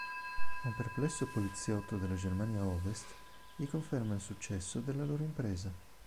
Un perplesso poliziotto della Germania Ovest gli conferma il successo della loro impresa.